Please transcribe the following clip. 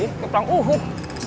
iya keplang uhut